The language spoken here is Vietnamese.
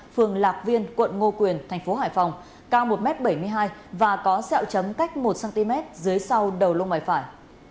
phường lạc viên quận ngô quyền thành phố hải phòng cao một m bảy mươi hai và có sẹo chấm cách một cm dưới sau đầu lông mày phải